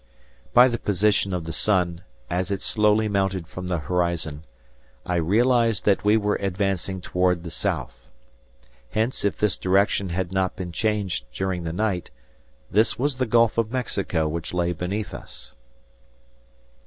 By the position of the sun, as it slowly mounted from the horizon, I realized that we were advancing toward the south. Hence if this direction had not been changed during the night this was the Gulf of Mexico which lay beneath us.